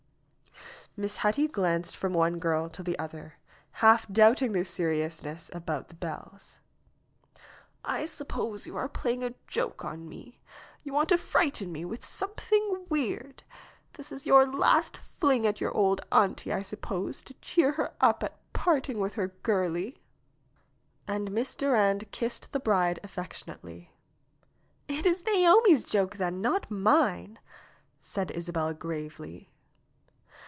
Miss Hetty glanced from one girl to the other, half doubting their seriousness about the bells. ^'1 suppose you are playing a joke on me. You want to frighten me with something weird. This is your last fling at your old auntie, I suppose, to cheer her up at parting with her girlie." And Miss Durand kissed the bride affectionately. Ht is Naomi's joke then, not mine," said Isabel gravely.